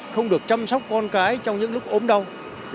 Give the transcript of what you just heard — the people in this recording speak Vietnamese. không được chăm sóc con cái trong những lúc ốm đau